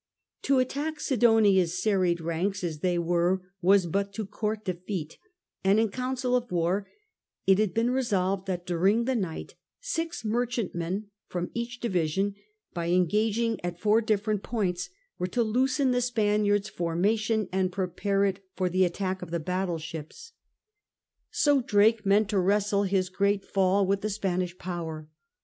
To attack Sidonia's serried ranks as they were was but to court defeat; and in council of war it had been resolved that during the night six merchantmen * from each division, by engaging at four different points, were to loosen the Spaniards' formation and prepare it for the attack of the battle ships. XI ACTION OFF THE ISLE OF WIGHT i6i So Drake meant to wrestle his great fall with the Spanish power.